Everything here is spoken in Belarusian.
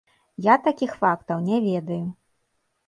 Я такіх фактаў не ведаю.